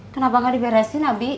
kenapa gak diberesin nabi